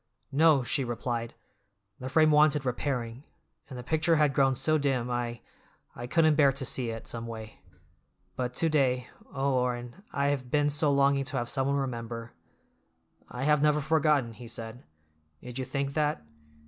"No," she replied, "the frame wanted repairing, and the picture had grown so dim I—I couldn't bear to see it, someway. But to day—oh, Orrin, I have been so longing to have someone remember—" "I have never forgotten," he said; "did you think that?